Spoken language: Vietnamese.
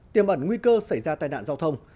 tiêm ẩn nguy cơ xảy ra tai nạn giao thông